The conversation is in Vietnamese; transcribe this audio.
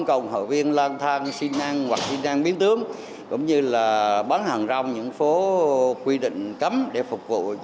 cùng với nỗ lực của hội người mù